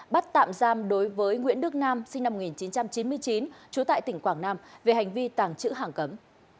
bắt tạm giam đối với nguyễn đức nam sinh năm một nghìn chín trăm chín mươi chín trú tại tỉnh quảng nam về hành vi tàng trữ hàng cấm